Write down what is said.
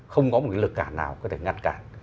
không có một lực cả nào có thể ngăn cản